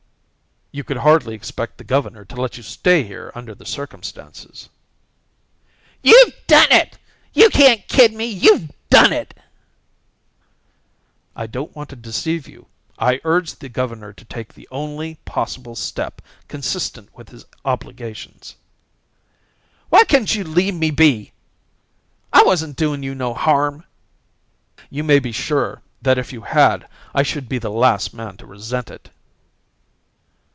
"You could hardly expect the governor to let you stay here under the circumstances." "You done it," she shrieked. "You can't kid me. You done it." "I don't want to deceive you. I urged the governor to take the only possible step consistent with his obligations." "Why couldn't you leave me be? I wasn't doin' you no harm." "You may be sure that if you had I should be the last man to resent it."